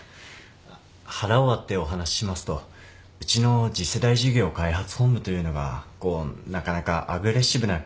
腹を割ってお話ししますとうちの次世代事業開発本部というのがこうなかなかアグレッシブな気質というか。